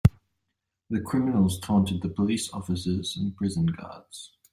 The criminals taunted the police officers and prison guards.